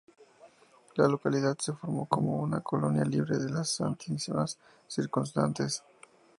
La localidad se formó como una colonia libre de las "stanitsas" circundantes.